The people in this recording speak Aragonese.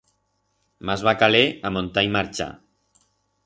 Mas va caler amontar y marchar.